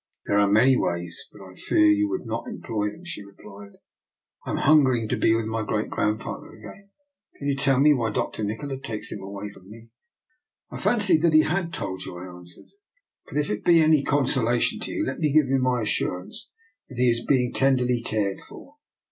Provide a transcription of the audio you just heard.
"" There are many ways, but I fear you l8o DR. NIKOLA'S EXPERIMENT. would not employ them," she replied. " I am hungering to be with my great grandfa ther again. Can you tell me why Dr. Nikola takes him away from me? "" I fancied that he had told you," I an swered; but if it be any consolation to you, let me give you my assurance that he is being tenderly cared for.